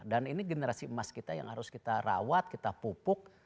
dan ini generasi emas kita yang harus kita rawat kita pupuk